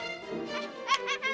iya kan tante